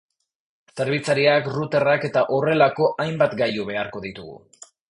Zerbitzariak, routerrak eta horrelako hainbat gailu beharko ditugu.